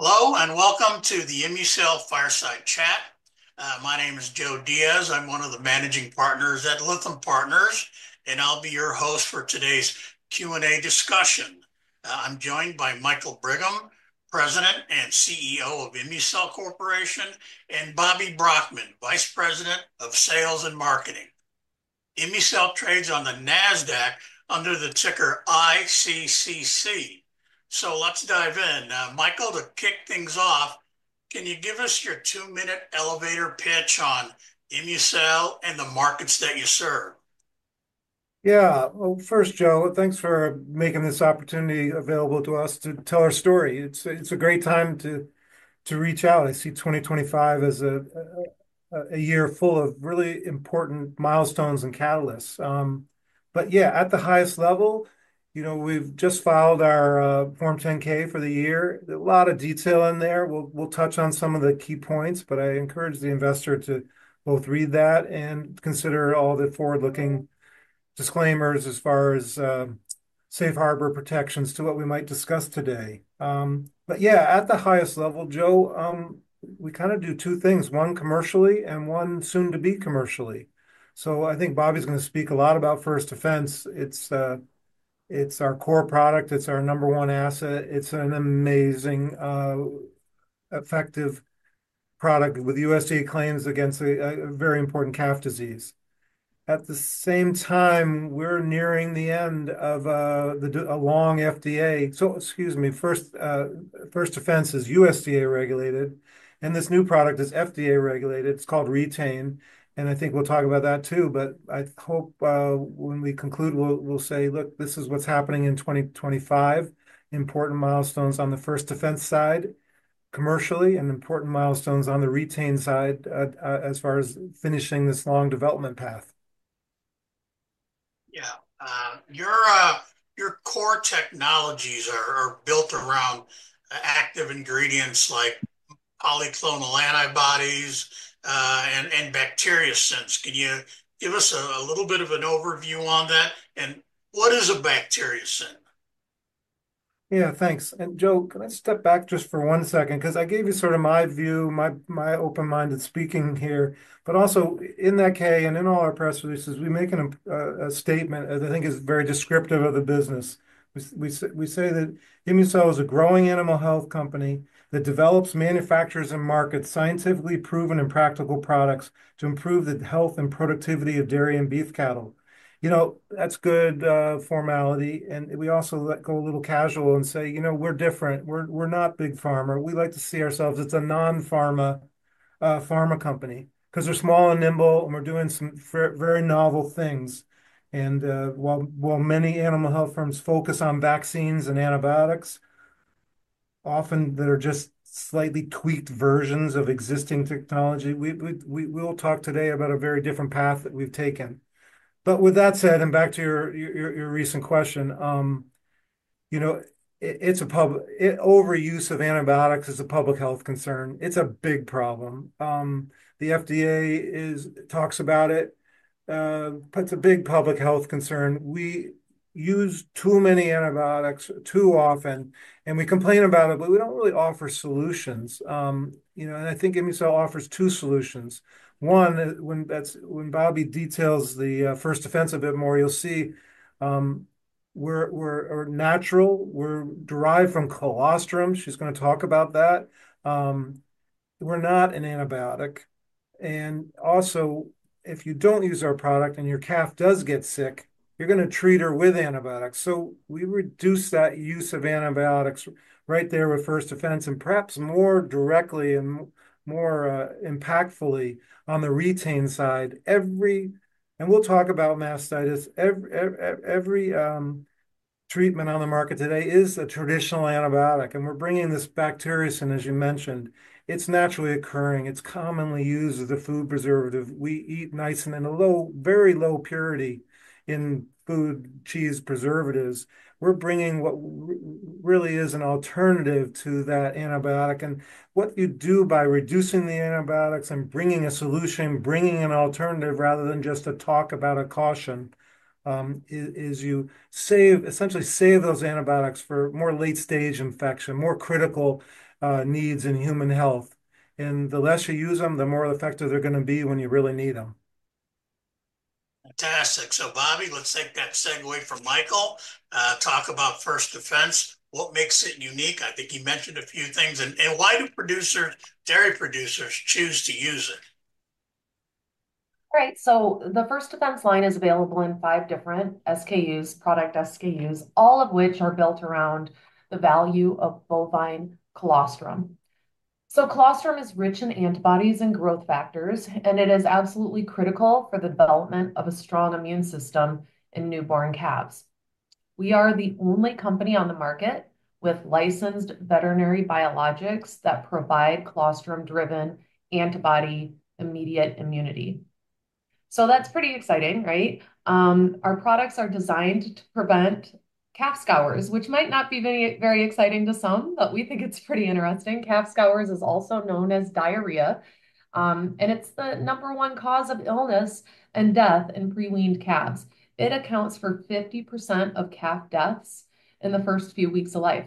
Hello, and welcome to the ImmuCell Fireside Chat. My name is Joe Diaz. I'm one of the managing partners at Lytham Partners, and I'll be your host for today's Q&A discussion. I'm joined by Michael Brigham, President and CEO of ImmuCell Corporation, and Bobbi Brockmann, Vice President of Sales and Marketing. ImmuCell trades on the NASDAQ under the ticker ICCC. Let's dive in. Michael, to kick things off, can you give us your two-minute elevator pitch on ImmuCell and the markets that you serve? Yeah. First, Joe, thanks for making this opportunity available to us to tell our story. It's a great time to reach out. I see 2025 as a year full of really important milestones and catalysts. Yeah, at the highest level, you know, we've just filed our Form 10-K for the year. A lot of detail in there. We'll touch on some of the key points, but I encourage the investor to both read that and consider all the forward-looking disclaimers as far as safe harbor protections to what we might discuss today. Yeah, at the highest level, Joe, we kind of do two things: one commercially and one soon-to-be commercially. I think Bobbi's going to speak a lot about First Defense. It's our core product. It's our number one asset. It's an amazing, effective product with USDA claims against a very important calf disease. At the same time, we're nearing the end of a long FDA. Excuse me, First Defense is USDA regulated, and this new product is FDA regulated. It's called Re-Tain. I think we'll talk about that too, but I hope when we conclude, we'll say, "Look, this is what's happening in 2025: important milestones on the First Defense side commercially and important milestones on the Re-Tain side as far as finishing this long development path. Yeah. Your core technologies are built around active ingredients like polyclonal antibodies and bacteriocins. Can you give us a little bit of an overview on that? What is a bacteriocin? Yeah, thanks. Joe, can I step back just for one second? I gave you sort of my view, my open-minded speaking here, but also in that K and in all our press releases, we make a statement that I think is very descriptive of the business. We say that ImmuCell is a growing animal health company that develops, manufactures, and markets scientifically proven and practical products to improve the health and productivity of dairy and beef cattle. You know, that's good formality. We also let go a little casual and say, you know, we're different. We're not big pharma. We like to see ourselves as a non-pharma pharma company because we're small and nimble, and we're doing some very novel things. While many animal health firms focus on vaccines and antibiotics, often that are just slightly tweaked versions of existing technology, we will talk today about a very different path that we have taken. With that said, and back to your recent question, you know, public overuse of antibiotics is a public health concern. It is a big problem. The FDA talks about it, but it is a big public health concern. We use too many antibiotics too often, and we complain about it, but we do not really offer solutions. You know, and I think ImmuCell offers two solutions. One, when Bobbi details the First Defense a bit more, you will see we are natural, we are derived from colostrum. She is going to talk about that. We are not an antibiotic. Also, if you do not use our product and your calf does get sick, you are going to treat her with antibiotics. We reduce that use of antibiotics right there with First Defense and perhaps more directly and more impactfully on the Re-Tain side. We'll talk about mastitis. Every treatment on the market today is a traditional antibiotic, and we're bringing this bacteriocin, as you mentioned. It's naturally occurring. It's commonly used as a food preservative. We eat nisin in a low, very low purity in food, cheese, preservatives. We're bringing what really is an alternative to that antibiotic. What you do by reducing the antibiotics and bringing a solution, bringing an alternative rather than just to talk about a caution, is you essentially save those antibiotics for more late-stage infection, more critical needs in human health. The less you use them, the more effective they're going to be when you really need them. Fantastic. Bobbi, let's take that segue from Michael. Talk about First Defense. What makes it unique? I think you mentioned a few things. Why do producers, dairy producers, choose to use it? Right. The First Defense line is available in five different SKUs, product SKUs, all of which are built around the value of bovine colostrum. Colostrum is rich in antibodies and growth factors, and it is absolutely critical for the development of a strong immune system in newborn calves. We are the only company on the market with licensed veterinary biologics that provide colostrum-driven antibody immediate immunity. That is pretty exciting, right? Our products are designed to prevent calf scours, which might not be very exciting to some, but we think it is pretty interesting. Calf scours is also known as diarrhea, and it is the number one cause of illness and death in pre-weaned calves. It accounts for 50% of calf deaths in the first few weeks of life.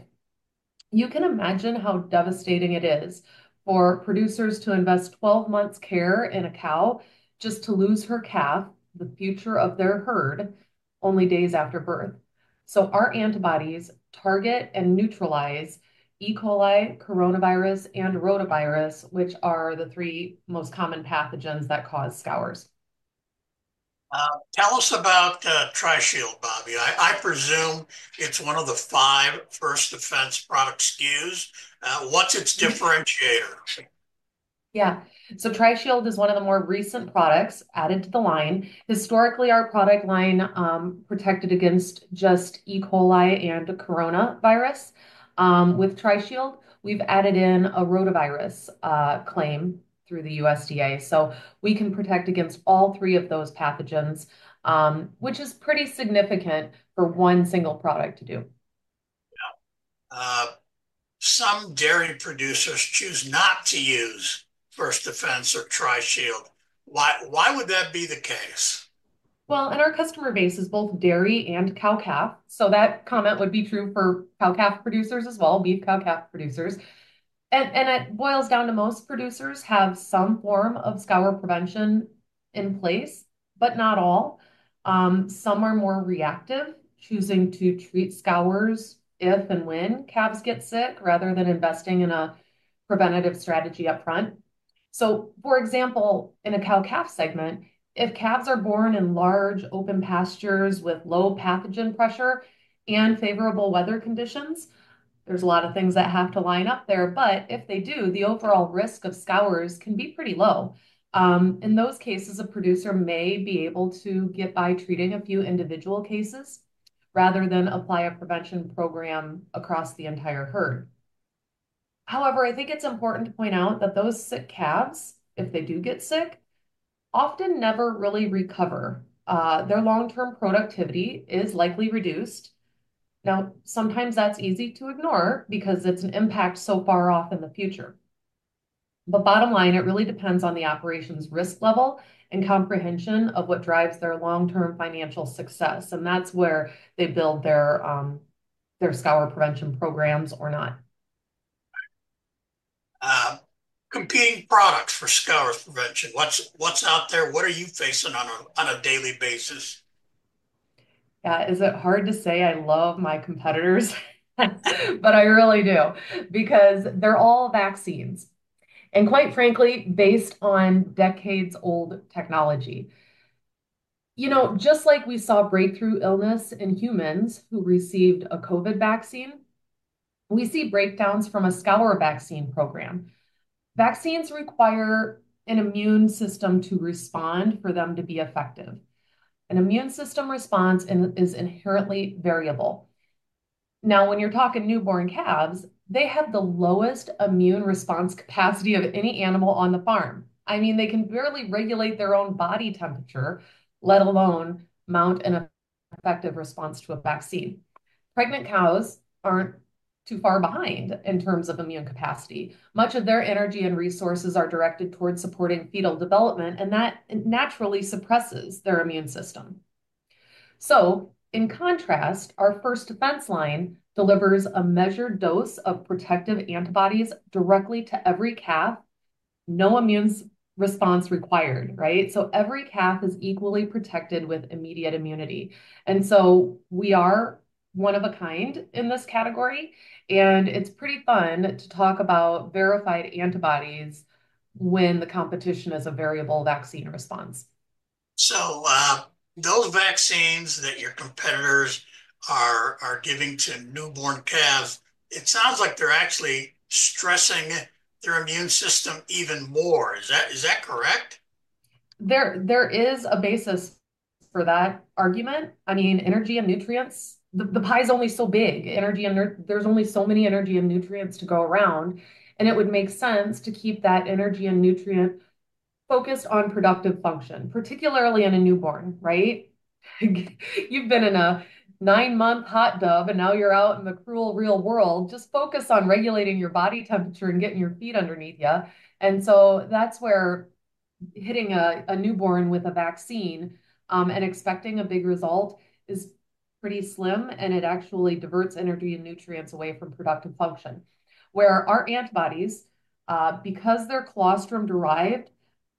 You can imagine how devastating it is for producers to invest 12 months' care in a cow just to lose her calf, the future of their herd, only days after birth. Our antibodies target and neutralize E. coli, coronavirus, and rotavirus, which are the three most common pathogens that cause scours. Tell us about Tri-Shield, Bobbi. I presume it's one of the five First Defense product SKUs. What's its differentiator? Yeah. Tri-Shield is one of the more recent products added to the line. Historically, our product line protected against just E. coli and coronavirus. With Tri-Shield, we've added in a rotavirus claim through the USDA. So we can protect against all three of those pathogens, which is pretty significant for one single product to do. Yeah. Some dairy producers choose not to use First Defense or Tri-Shield. Why would that be the case? In our customer base, it's both dairy and cow-calf. That comment would be true for cow-calf producers as well, beef-cow-calf producers. It boils down to most producers have some form of scour prevention in place, but not all. Some are more reactive, choosing to treat scours if and when calves get sick rather than investing in a preventative strategy upfront. For example, in a cow-calf segment, if calves are born in large open pastures with low pathogen pressure and favorable weather conditions, there are a lot of things that have to line up there. If they do, the overall risk of scours can be pretty low. In those cases, a producer may be able to get by treating a few individual cases rather than apply a prevention program across the entire herd. However, I think it's important to point out that those sick calves, if they do get sick, often never really recover. Their long-term productivity is likely reduced. Now, sometimes that's easy to ignore because it's an impact so far off in the future. Bottom line, it really depends on the operation's risk level and comprehension of what drives their long-term financial success. That's where they build their scour prevention programs or not. Competing products for scour prevention. What's out there? What are you facing on a daily basis? Yeah, is it hard to say? I love my competitors, but I really do because they're all vaccines. And quite frankly, based on decades-old technology, you know, just like we saw breakthrough illness in humans who received a COVID vaccine, we see breakdowns from a scour vaccine program. Vaccines require an immune system to respond for them to be effective. An immune system response is inherently variable. Now, when you're talking newborn calves, they have the lowest immune response capacity of any animal on the farm. I mean, they can barely regulate their own body temperature, let alone mount an effective response to a vaccine. Pregnant cows aren't too far behind in terms of immune capacity. Much of their energy and resources are directed towards supporting fetal development, and that naturally suppresses their immune system. In contrast, our First Defense line delivers a measured dose of protective antibodies directly to every calf, no immune response required, right? Every calf is equally protected with immediate immunity. We are one of a kind in this category. It's pretty fun to talk about verified antibodies when the competition is a variable vaccine response. Those vaccines that your competitors are giving to newborn calves, it sounds like they're actually stressing their immune system even more. Is that correct? There is a basis for that argument. I mean, energy and nutrients, the pie is only so big. There's only so many energy and nutrients to go around. It would make sense to keep that energy and nutrient focused on productive function, particularly in a newborn, right? You've been in a nine-month hot tub, and now you're out in the cruel real world. Just focus on regulating your body temperature and getting your feet underneath you. That is where hitting a newborn with a vaccine and expecting a big result is pretty slim, and it actually diverts energy and nutrients away from productive function. Where our antibodies, because they're colostrum-derived, are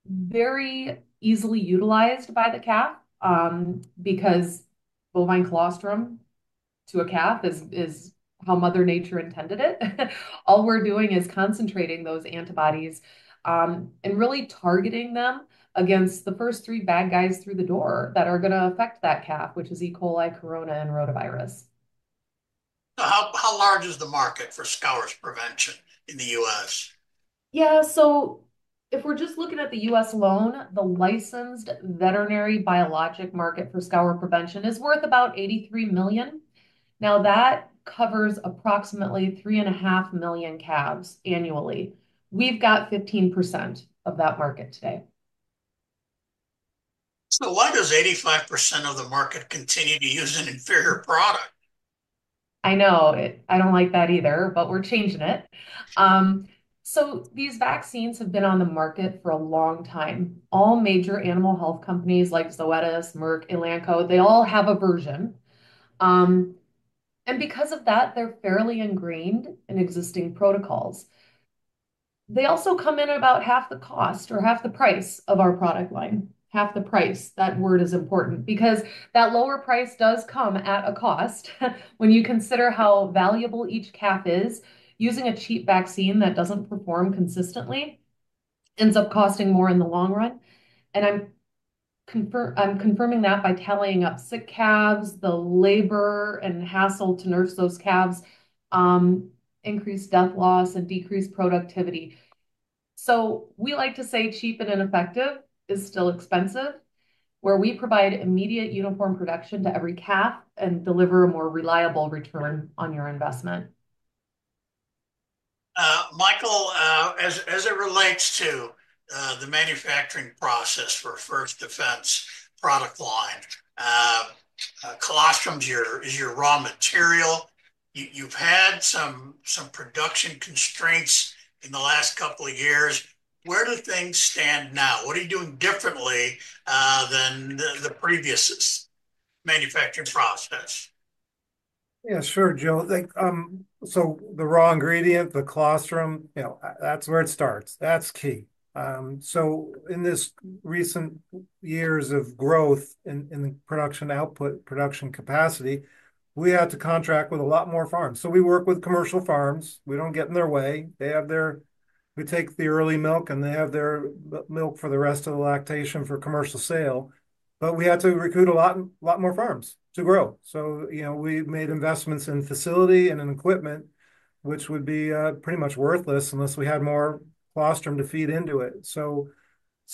very easily utilized by the calf because bovine colostrum to a calf is how Mother Nature intended it. All we're doing is concentrating those antibodies and really targeting them against the first three bad guys through the door that are going to affect that calf, which is E. coli, corona, and rotavirus. How large is the market for scour prevention in the U.S.? Yeah. If we're just looking at the U.S. alone, the licensed veterinary biologic market for scour prevention is worth about $83 million. That covers approximately 3.5 million calves annually. We've got 15% of that market today. Why does 85% of the market continue to use an inferior product? I know. I don't like that either, but we're changing it. These vaccines have been on the market for a long time. All major animal health companies like Zoetis, Merck, and Elanco, they all have a version. Because of that, they're fairly ingrained in existing protocols. They also come in at about half the cost or half the price of our product line. Half the price, that word is important, because that lower price does come at a cost. When you consider how valuable each calf is, using a cheap vaccine that doesn't perform consistently ends up costing more in the long run. I'm confirming that by tallying up sick calves, the labor and hassle to nurse those calves, increased death loss, and decreased productivity. We like to say cheap and ineffective is still expensive, where we provide immediate uniform protection to every calf and deliver a more reliable return on your investment. Michael, as it relates to the manufacturing process for First Defense product line, colostrum is your raw material. You've had some production constraints in the last couple of years. Where do things stand now? What are you doing differently than the previous manufacturing process? Yeah, sure, Joe. The raw ingredient, the colostrum, that's where it starts. That's key. In these recent years of growth in the production output, production capacity, we had to contract with a lot more farms. We work with commercial farms. We don't get in their way. We take the early milk, and they have their milk for the rest of the lactation for commercial sale. We had to recruit a lot more farms to grow. We made investments in facility and in equipment, which would be pretty much worthless unless we had more colostrum to feed into it.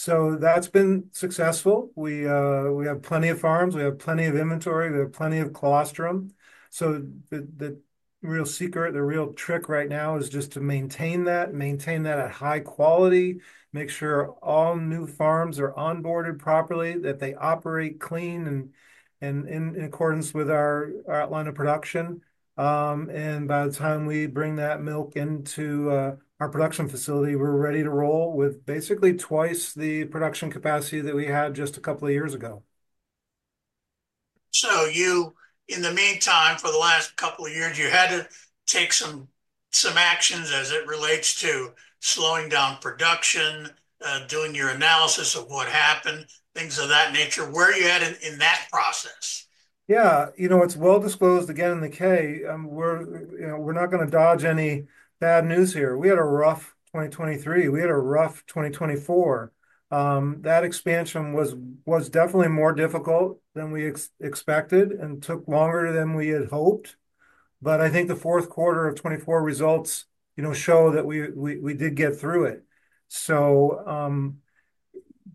That's been successful. We have plenty of farms. We have plenty of inventory. We have plenty of colostrum. The real secret, the real trick right now is just to maintain that, maintain that at high quality, make sure all new farms are onboarded properly, that they operate clean and in accordance with our outline of production. By the time we bring that milk into our production facility, we're ready to roll with basically twice the production capacity that we had just a couple of years ago. In the meantime, for the last couple of years, you had to take some actions as it relates to slowing down production, doing your analysis of what happened, things of that nature. Where are you at in that process? Yeah. You know, it's well disclosed again in the K, we're not going to dodge any bad news here. We had a rough 2023. We had a rough 2024. That expansion was definitely more difficult than we expected and took longer than we had hoped. I think the fourth quarter of 2024 results show that we did get through it.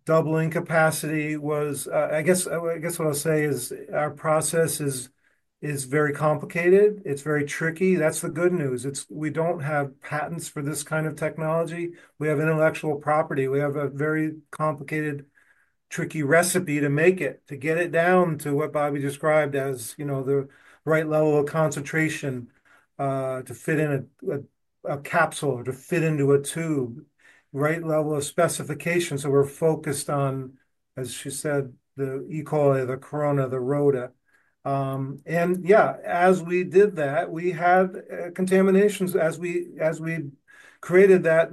Doubling capacity was, I guess what I'll say is our process is very complicated. It's very tricky. That's the good news. We don't have patents for this kind of technology. We have intellectual property. We have a very complicated, tricky recipe to make it, to get it down to what Bobbi described as the right level of concentration to fit in a capsule or to fit into a tube, right level of specification. We're focused on, as she said, the E. coli, the corona, the rota. Yeah, as we did that, we had contaminations. As we created that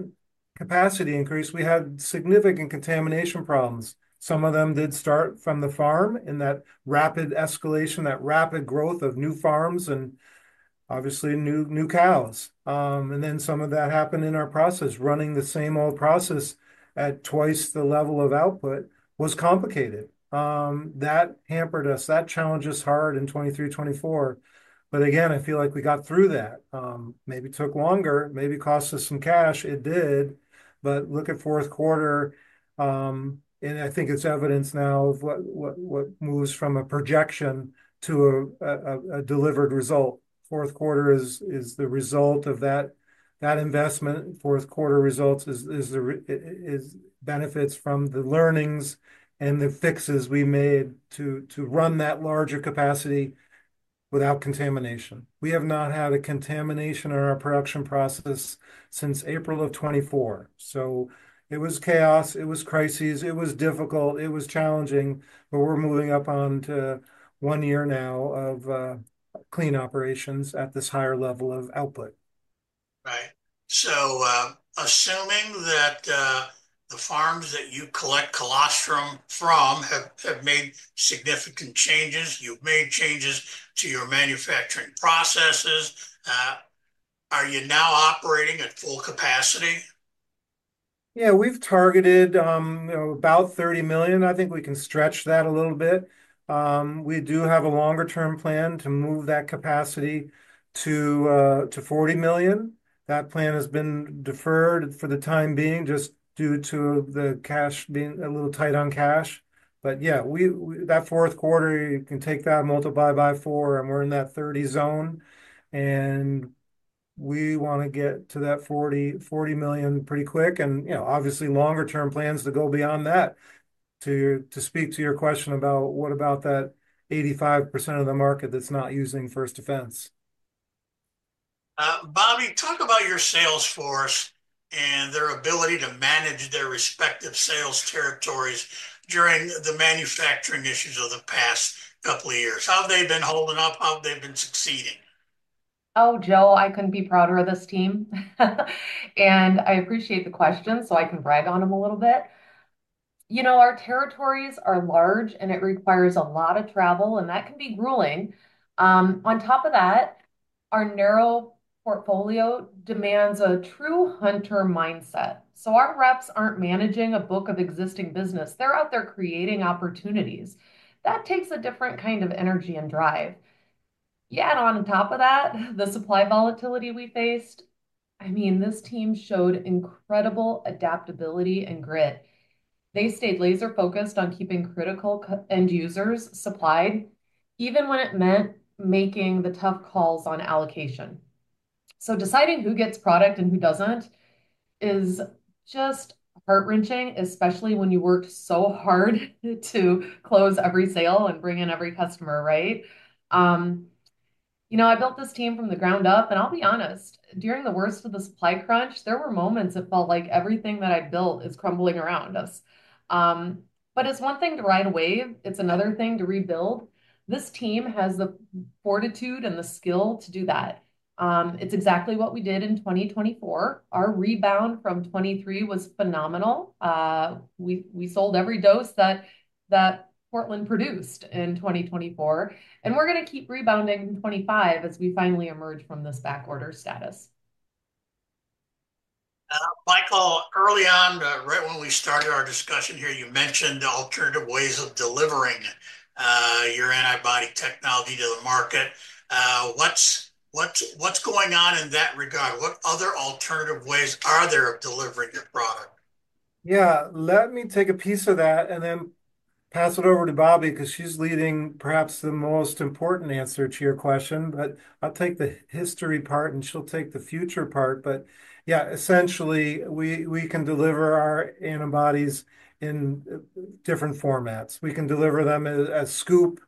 capacity increase, we had significant contamination problems. Some of them did start from the farm in that rapid escalation, that rapid growth of new farms and obviously new cows. Some of that happened in our process. Running the same old process at twice the level of output was complicated. That hampered us. That challenged us hard in 2023, 2024. I feel like we got through that. Maybe took longer, maybe cost us some cash. It did. Look at fourth quarter. I think it is evidence now of what moves from a projection to a delivered result. Fourth quarter is the result of that investment. Fourth quarter results is benefits from the learnings and the fixes we made to run that larger capacity without contamination. We have not had a contamination in our production process since April of 2024. It was chaos. It was crises. It was difficult. It was challenging. We are moving up on to one year now of clean operations at this higher level of output. Right. So assuming that the farms that you collect colostrum from have made significant changes, you've made changes to your manufacturing processes, are you now operating at full capacity? Yeah, we've targeted about 30 million. I think we can stretch that a little bit. We do have a longer-term plan to move that capacity to 40 million. That plan has been deferred for the time being just due to the cash being a little tight on cash. Yeah, that fourth quarter, you can take that and multiply by four, and we're in that 30 zone. We want to get to that 40 million pretty quick. Obviously, longer-term plans to go beyond that. To speak to your question about what about that 85% of the market that's not using First Defense. Bobbi, talk about your sales force and their ability to manage their respective sales territories during the manufacturing issues of the past couple of years. How have they been holding up? How have they been succeeding? Oh, Joe, I couldn't be prouder of this team. I appreciate the question, so I can brag on them a little bit. You know, our territories are large, and it requires a lot of travel, and that can be grueling. On top of that, our narrow portfolio demands a true hunter mindset. Our reps aren't managing a book of existing business. They're out there creating opportunities. That takes a different kind of energy and drive. Yeah, on top of that, the supply volatility we faced, I mean, this team showed incredible adaptability and grit. They stayed laser-focused on keeping critical end users supplied, even when it meant making the tough calls on allocation. Deciding who gets product and who doesn't is just heart-wrenching, especially when you worked so hard to close every sale and bring in every customer, right? You know, I built this team from the ground up, and I'll be honest, during the worst of the supply crunch, there were moments it felt like everything that I built is crumbling around us. It is one thing to ride a wave. It is another thing to rebuild. This team has the fortitude and the skill to do that. It is exactly what we did in 2024. Our rebound from 2023 was phenomenal. We sold every dose that Portland produced in 2024. We are going to keep rebounding in 2025 as we finally emerge from this backorder status. Michael, early on, right when we started our discussion here, you mentioned alternative ways of delivering your antibody technology to the market. What's going on in that regard? What other alternative ways are there of delivering your product? Yeah, let me take a piece of that and then pass it over to Bobbi because she's leading perhaps the most important answer to your question. I'll take the history part, and she'll take the future part. Yeah, essentially, we can deliver our antibodies in different formats. We can deliver them as a scoop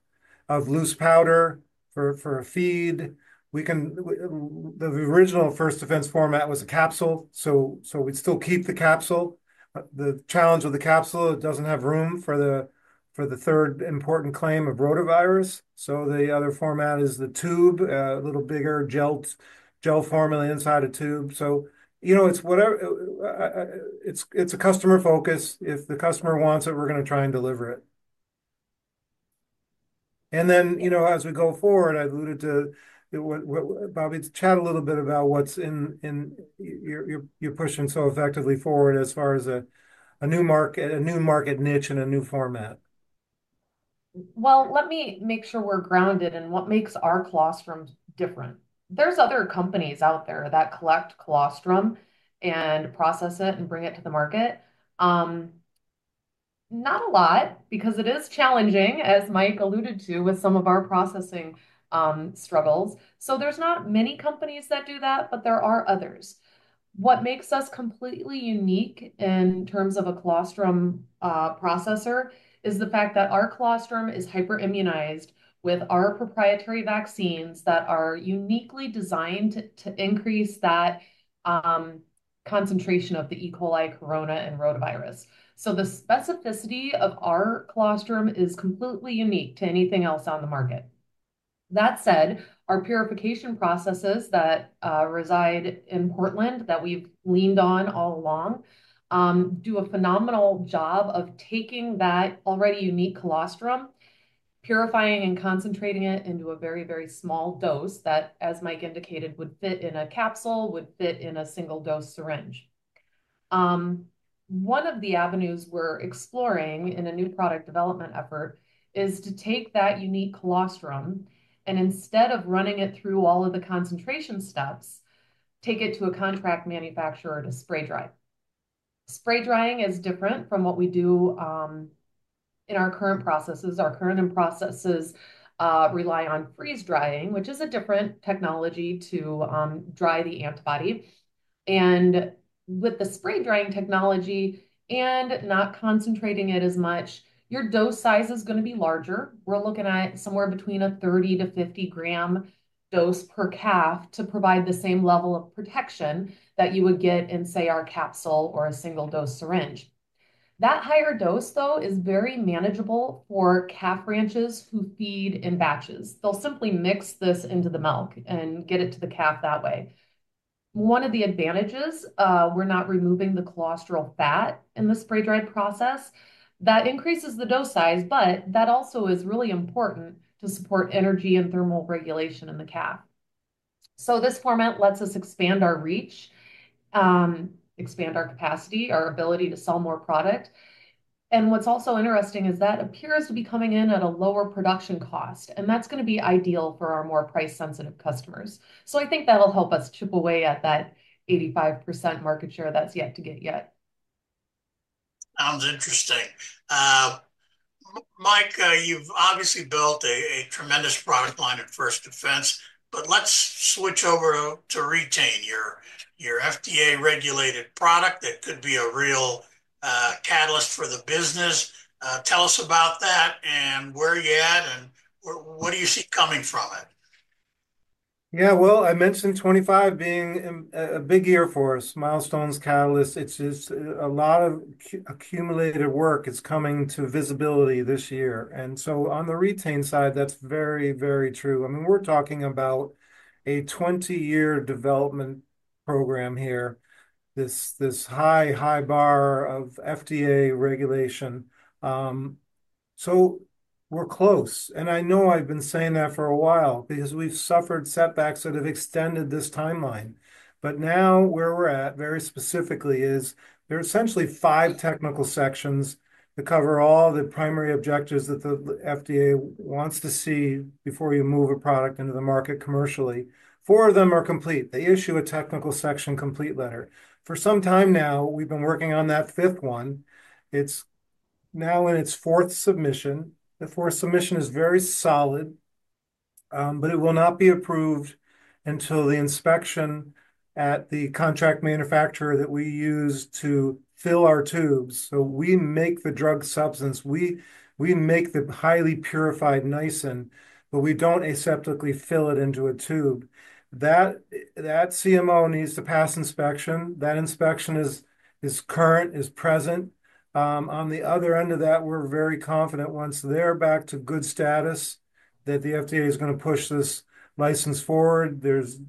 of loose powder for a feed. The original First Defense format was a capsule. We still keep the capsule. The challenge with the capsule, it doesn't have room for the third important claim of rotavirus. The other format is the tube, a little bigger gel formula inside a tube. It's a customer focus. If the customer wants it, we're going to try and deliver it. As we go forward, I alluded to Bobbi, chat a little bit about what's in your pushing so effectively forward as far as a new market niche and a new format. Let me make sure we're grounded in what makes our colostrum different. There's other companies out there that collect colostrum and process it and bring it to the market. Not a lot, because it is challenging, as Mike alluded to, with some of our processing struggles. There's not many companies that do that, but there are others. What makes us completely unique in terms of a colostrum processor is the fact that our colostrum is hyper-immunized with our proprietary vaccines that are uniquely designed to increase that concentration of the E. coli, corona, and rotavirus. The specificity of our colostrum is completely unique to anything else on the market. That said, our purification processes that reside in Portland that we've leaned on all along do a phenomenal job of taking that already unique colostrum, purifying and concentrating it into a very, very small dose that, as Mike indicated, would fit in a capsule, would fit in a single-dose syringe. One of the avenues we're exploring in a new product development effort is to take that unique colostrum and instead of running it through all of the concentration steps, take it to a contract manufacturer to spray dry. Spray drying is different from what we do in our current processes. Our current processes rely on freeze drying, which is a different technology to dry the antibody. With the spray drying technology and not concentrating it as much, your dose size is going to be larger. We're looking at somewhere between a 30-50 gram dose per calf to provide the same level of protection that you would get in, say, our capsule or a single-dose syringe. That higher dose, though, is very manageable for calf ranchers who feed in batches. They'll simply mix this into the milk and get it to the calf that way. One of the advantages, we're not removing the colostral fat in the spray dry process. That increases the dose size, but that also is really important to support energy and thermal regulation in the calf. This format lets us expand our reach, expand our capacity, our ability to sell more product. What's also interesting is that appears to be coming in at a lower production cost. That's going to be ideal for our more price-sensitive customers. I think that'll help us chip away at that 85% market share that's yet-to-get yet. Sounds interesting. Mike, you've obviously built a tremendous product line at First Defense, but let's switch over to Re-Tain, your FDA-regulated product that could be a real catalyst for the business. Tell us about that and where you're at and what do you see coming from it. Yeah, I mentioned 2025 being a big year for us, milestones, catalysts. It's just a lot of accumulated work. It's coming to visibility this year. On the Re-Tain side, that's very, very true. I mean, we're talking about a 20-year development program here, this high, high bar of FDA regulation. We're close. I know I've been saying that for a while because we've suffered setbacks that have extended this timeline. Now where we're at very specifically is there are essentially five technical sections that cover all the primary objectives that the FDA wants to see before you move a product into the market commercially. Four of them are complete. They issue a technical section complete letter. For some time now, we've been working on that fifth one. It's now in its fourth submission. The fourth submission is very solid, but it will not be approved until the inspection at the contract manufacturer that we use to fill our tubes. We make the drug substance. We make the highly purified nisin, but we do not aseptically fill it into a tube. That CMO needs to pass inspection. That inspection is current, is present. On the other end of that, we are very confident once they are back to good status that the FDA is going to push this license forward. There is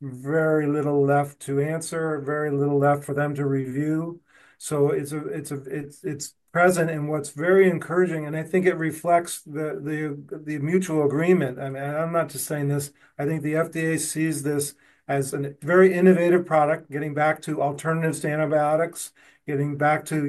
very little left to answer, very little left for them to review. It is present. What is very encouraging, and I think it reflects the mutual agreement. I am not just saying this. I think the FDA sees this as a very innovative product, getting back to alternatives to antibiotics, getting back to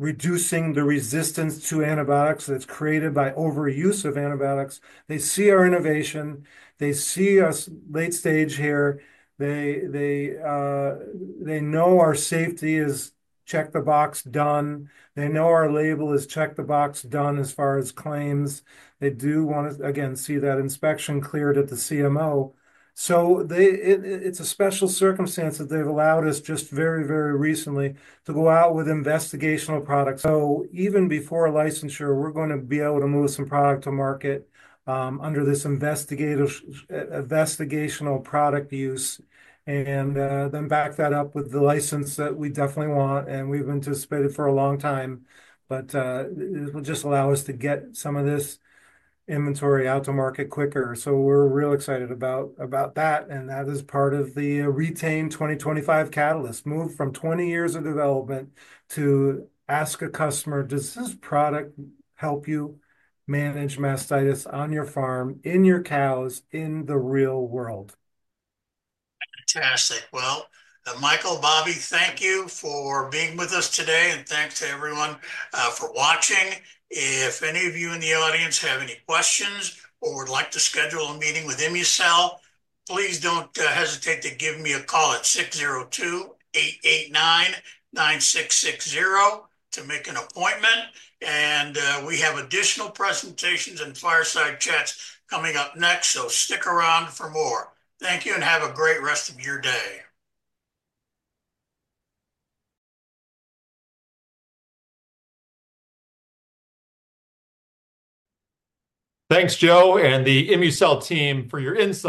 reducing the resistance to antibiotics that is created by overuse of antibiotics. They see our innovation. They see us late stage here. They know our safety is check the box, done. They know our label is check the box, done as far as claims. They do want to, again, see that inspection cleared at the CMO. It is a special circumstance that they have allowed us just very, very recently to go out with investigational product. Even before a licensure, we are going to be able to move some product to market under this investigational product use and then back that up with the license that we definitely want. We have anticipated this for a long time, but it will just allow us to get some of this inventory out to market quicker. We are real excited about that. That is part of the Re-Tain 2025 catalyst, move from 20 years of development to ask a customer, "Does this product help you manage mastitis on your farm, in your cows, in the real world? Fantastic. Michael, Bobbi, thank you for being with us today. Thanks to everyone for watching. If any of you in the audience have any questions or would like to schedule a meeting with ImmuCell, please do not hesitate to give me a call at 602-889-9660 to make an appointment. We have additional presentations and fireside chats coming up next. Stick around for more. Thank you and have a great rest of your day. Thanks, Joe, and the ImmuCell team for your insight.